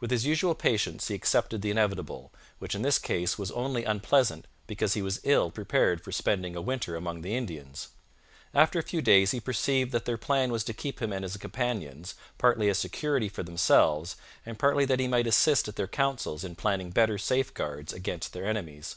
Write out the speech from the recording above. With his usual patience he accepted the inevitable, which in this case was only unpleasant because he was ill prepared for spending a winter among the Indians. After a few days he perceived that their plan was to keep him and his companions, partly as security for themselves and partly that he might assist at their councils in planning better safeguards against their enemies.